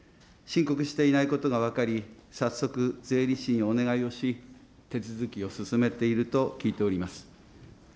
申告していないことが分かり、早速税理士にお願いをし、手続きを進めていると聞いております。